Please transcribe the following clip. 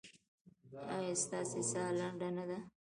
ایا ستاسو ساه لنډه نه ده؟